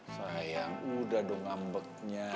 sayang udah dong ambeknya